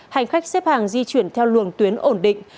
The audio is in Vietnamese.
hành khách xếp hàng di chuyển theo luồng tuyến ổn định